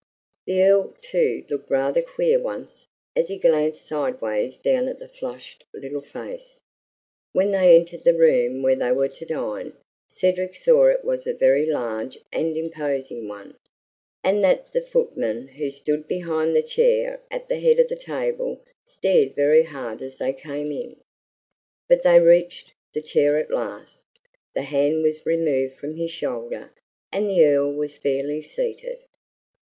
The Earl, too, looked rather queer, once, as he glanced sidewise down at the flushed little face. When they entered the room where they were to dine, Cedric saw it was a very large and imposing one, and that the footman who stood behind the chair at the head of the table stared very hard as they came in. But they reached the chair at last. The hand was removed from his shoulder, and the Earl was fairly seated.